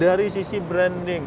dari sisi bagaimana